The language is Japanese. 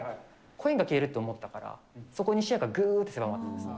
コインが消えるって思ったから、そこに視野がぐっと狭まったんですよ。